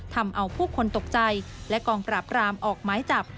ทำเอาผู้คนตกใจและกองปราบรามออกไม้จับ